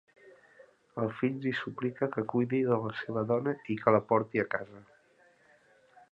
El fill li suplica que cuidi de la seva dona i que la porti a casa.